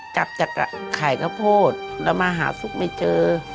กลับจะขายกระโพดแล้วมาหาซุกไม่เจอ